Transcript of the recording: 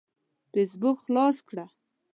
فيسبوک خلاص کړه.